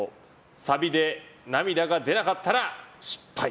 サビで涙が出なかったら失敗。